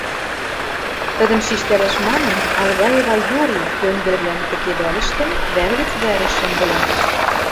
Тӹдӹм шижтӓрӓш манын, Алгаева йори тӧнгӹлвлӓм тӹкедӓлӹштӹн, вӓр гӹц вӓрӹш шӹндӹлӹн.